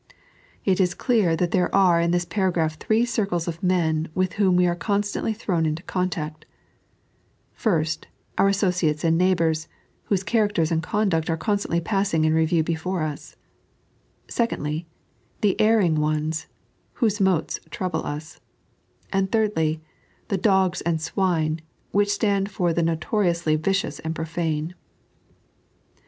It is clear that there are in this paragraph three circles of men with whom we are constantly thrown into contact, first, our Aasooiates and JTeighbtmrs, whose characters and conduct are constantly passing in review before us; secondly, tfie Erring Ones, whose motes trouble us ; and, thirdly, the Doga and Swine, which stand for the notoriously vicious and profane.